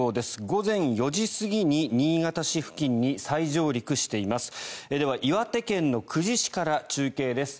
午前４時過ぎに新潟市付近に再上陸しています。